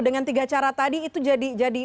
dengan tiga cara tadi itu jadi